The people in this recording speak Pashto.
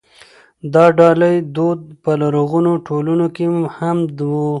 د ډالۍ دود په لرغونو ټولنو کې هم و.